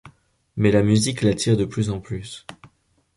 Mais la musique l'attire de plus en plus.